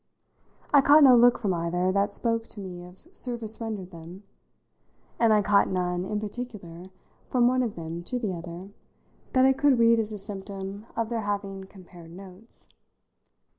I caught no look from either that spoke to me of service rendered them; and I caught none, in particular, from one of them to the other, that I could read as a symptom of their having compared notes.